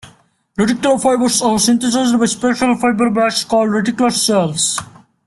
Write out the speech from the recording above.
Reticular fibers are synthesized by special fibroblasts called reticular cells.